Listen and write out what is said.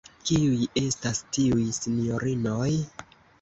Kiuj estas tiuj sinjorinoj?